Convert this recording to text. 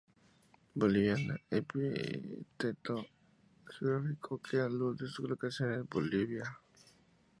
Boliviana: epíteto geográfico que alude a su localización en Bolivia.